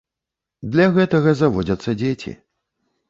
Для гэтага заводзяцца дзеці.